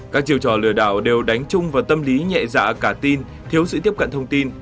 các chiêu trò lừa đảo đều đánh chung vào tâm lý nhẹ dạ cả tin thiếu sự tiếp cận thông tin